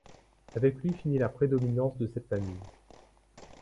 Avec lui finit la prédominance de cette famille.